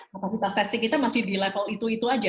kapasitas testing kita masih di level itu itu aja